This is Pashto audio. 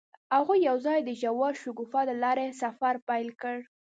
هغوی یوځای د ژور شګوفه له لارې سفر پیل کړ.